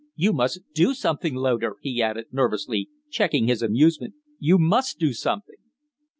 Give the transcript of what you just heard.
"You must do something, Loder!" he added, nervously, checking his amusement; "you must do something!"